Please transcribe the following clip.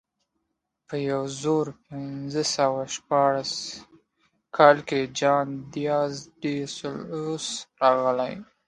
په یو زرو پینځه سوه شپاړس کال کې جان دیاز ډي سلوس راغی.